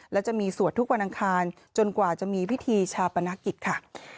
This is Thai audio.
และจะมีสวดทุกวันอังคารจนกว่าจะมีพิธีชาปนกิจค่ะ